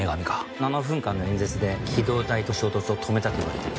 ７分間の演説で機動隊と衝突を止めたといわれている。